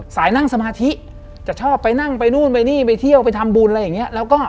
นั่งสมาธิจะชอบไปนั่งไปนู่นไปนี่ไปเที่ยวไปทำบุญอะไรอย่างเงี้ยแล้วก็